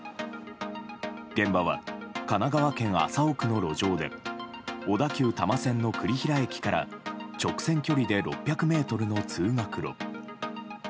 現場は神奈川県麻生区の路上で小田急多摩線の栗平駅から直線距離で６００ｍの通学路。